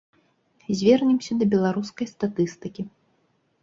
Звернемся да беларускай статыстыкі.